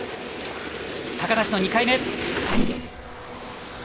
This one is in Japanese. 高梨の２回目。